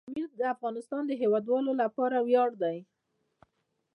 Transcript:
پامیر د افغانستان د هیوادوالو لپاره ویاړ دی.